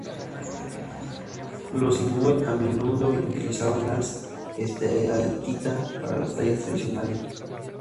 Los inuit a menudo utilizaban la esteatita para las tallas tradicionales.